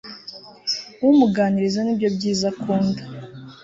umuganiriza nibyo byiza akunda